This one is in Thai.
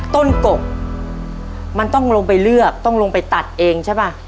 กกมันต้องลงไปเลือกต้องลงไปตัดเองใช่ป่ะ